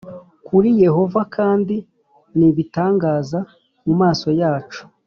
Kuri yehova kandi ni ibitangaza mu maso yacu